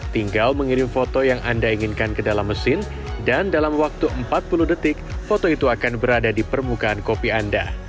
tinggal mengirim foto yang anda inginkan ke dalam mesin dan dalam waktu empat puluh detik foto itu akan berada di permukaan kopi anda